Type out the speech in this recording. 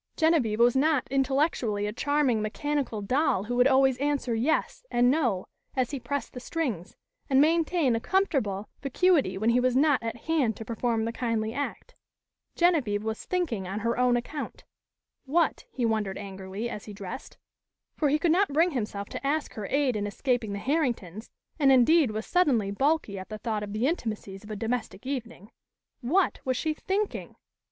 Genevieve was not intellectually a charming mechanical doll who would always answer "yes" and "no" as he pressed the strings, and maintain a comfortable vacuity when he was not at hand to perform the kindly act. Genevieve was thinking on her own account. What, he wondered angrily, as he dressed for he could not bring himself to ask her aid in escaping the Herringtons and, indeed, was suddenly balky at the thought of the intimacies of a domestic evening what was she thinking?